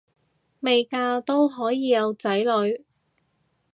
未嫁都可以有仔女